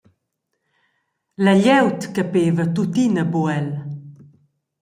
La glieud capeva tuttina buc el.